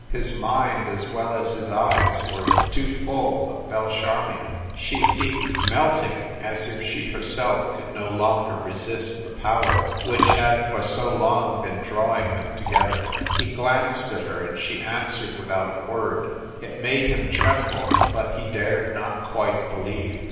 His mind, as well as his eyes, were too full of Belle Charmion. She seemed melting as if she herself could not longer resist the power which had for so long been drawing them together. He glanced at her, and she answered without a word. It made him tremble, but he dared not quite believe.